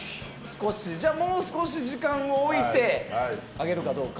もう少し時間を置いて上げるかどうか。